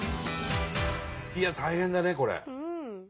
いや大変だねこれ。